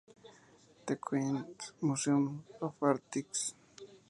The Queens Museum of Arts.